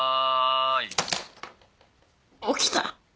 起きた。